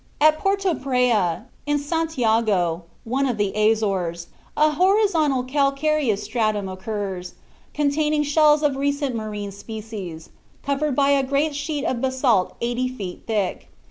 At Porto Praya, in St. Jago, one of the Azores, a horizontal, calcareous stratum occurs, containing shells of recent marine species, covered by a great sheet of basalt eighty feet thick.